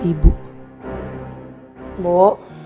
bu ibu gak mau nyari nasabah lain aja